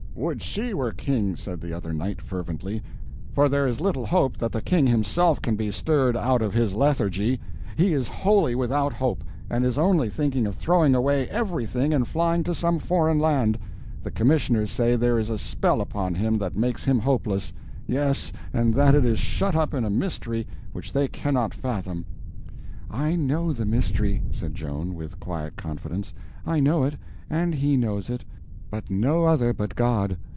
"Would she were King!" said the other knight, fervently. "For there is little hope that the King himself can be stirred out of his lethargy. He is wholly without hope, and is only thinking of throwing away everything and flying to some foreign land. The commissioners say there is a spell upon him that makes him hopeless—yes, and that it is shut up in a mystery which they cannot fathom." "I know the mystery," said Joan, with quiet confidence; "I know it, and he knows it, but no other but God.